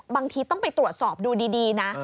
บางทีต้องไปตรวจสอบดูดีนะ